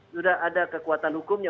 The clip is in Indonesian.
sudah ada kekuatan hukumnya